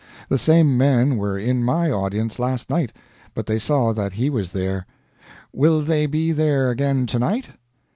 The same men were in my audience last night, but they saw that he was there. "Will they be there again to night?"